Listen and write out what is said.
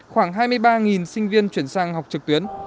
khoảng hai mươi ba sinh viên chuyển sang học trực tuyến